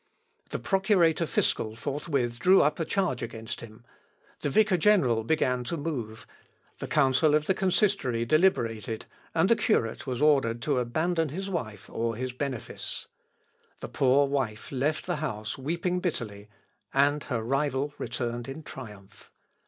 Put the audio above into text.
The procurator fiscal forthwith drew up a charge against him: the vicar general began to move; the council of the consistory deliberated ... and the curate was ordered to abandon his wife or his benefice. The poor wife left the house weeping bitterly, and her rival returned in triumph.